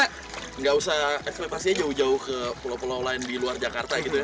karena nggak usah eksplipasinya jauh jauh ke pulau pulau lain di luar jakarta gitu ya